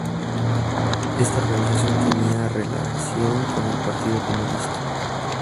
Esta organización tenía relación con el Partido Comunista.